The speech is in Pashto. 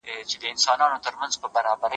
موږ باید د نورو خلګو نظریاتو ته هم غوږ ونیسو.